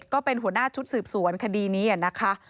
ก็เป็นหัวหน้าชุดสืบสวนคดีนี้นะคะ